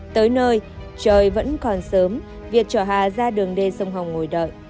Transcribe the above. tới nơi trời vẫn còn sớm việt chở hà ra đường đê sông hồng ngồi đợi